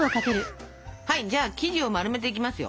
じゃあ生地を丸めていきますよ。